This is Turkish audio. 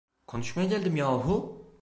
Konuşmaya geldim yahu!